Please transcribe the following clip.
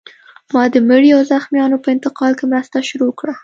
ما د مړیو او زخمیانو په انتقال کې مرسته شروع کړه